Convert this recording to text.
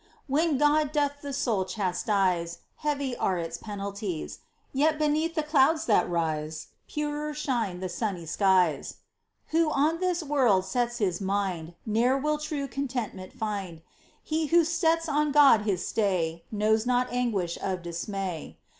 When God doth the soul chastise Heavy are its penalties, Yet beneath the clouds that rise Purer shine the sunny skies ! Who on this world sets his mind Ne'er will true contentment find. He who sets on God his stay Knows not anguish of dismay.